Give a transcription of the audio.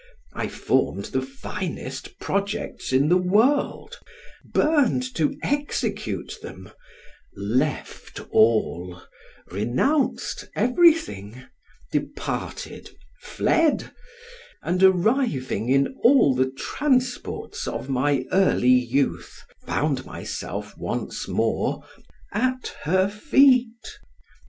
I formed the finest projects in the world, burned to execute them, left all, renounced everything, departed, fled, and arriving in all the transports of my early youth, found myself once more at her feet.